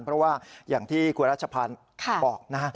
เพราะว่าอย่างที่คุณรัชพันธ์บอกนะฮะ